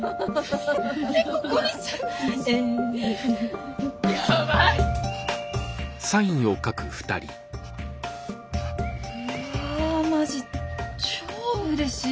うわマジ超うれしい。